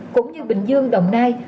cũng như bình dương đồng nai